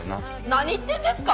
何言ってんですか